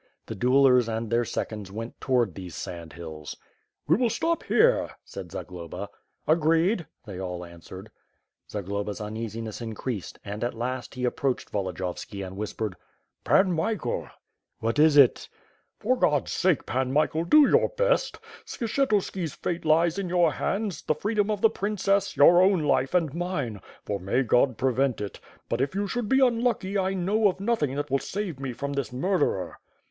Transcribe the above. The duellers and their seconds went toward these sand hills. "We will stop here," said Zagloba. "Agreed," they all answered. Zagloba^s uneasiness increased and, at last, he approached Volodiyovski and whispered. "Pan Michael ...." "What is it?" "For God's sake, Pan Michael, do your best! Skshetuski's fate lies in your hands, the freedom of the princess, your own life and mine; for, may God prevent it, but if you should be unlucky, I know of nothing that will save me from this murderer."